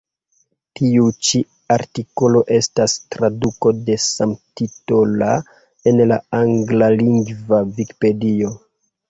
Tiu ĉi artikolo estas traduko de samtitola el la anglalingva Vikipedio.